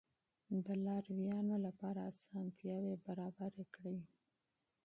د لارويانو لپاره اسانتیاوې برابرې کړئ.